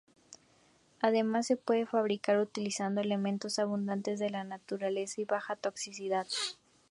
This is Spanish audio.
Además, se pueden fabricar utilizando elementos abundantes en la naturaleza y de baja toxicidad.